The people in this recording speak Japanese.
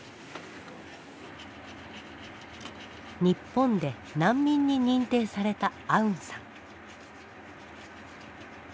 日本で難民に認定されたアウンさん。